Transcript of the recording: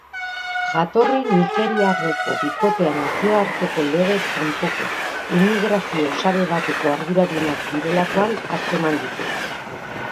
Jatorri nigeriarreko bikotea nazioarteko legez kanpoko immigrazio sare bateko arduradunak direlakoan atzeman dute.